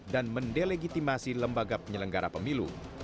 dan mendelegitimasi lembaga penyelenggara pemilu